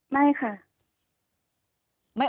ไม่ค่ะ